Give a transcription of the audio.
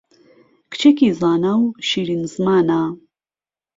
کچێکی زانا و شیرین زمانە